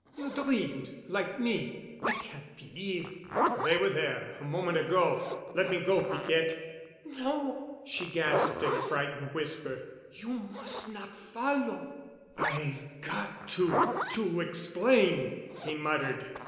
"You dreamed, like me. I can't believe——" "They were there a moment ago. Let me go, Piquette." "No," she gasped in a frightened whisper. "You mus' not follow——" "I've got to—to explain," he muttered.